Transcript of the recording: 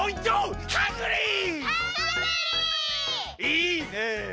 いいね。